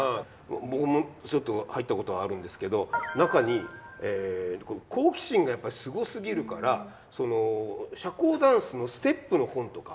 僕もちょっと入ったことあるんですけど中に好奇心がやっぱすごすぎるから社交ダンスのステップの本とか。